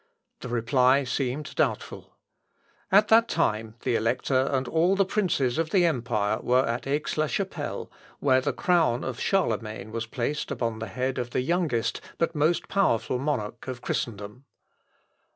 The reply seemed doubtful. At that time the Elector and all the princes of the empire were at Aix la Chapelle where the crown of Charlemagne was placed upon the head of the youngest but most powerful monarch of Christendom.